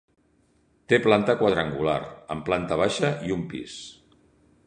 Té planta quadrangular, amb planta baixa i un pis.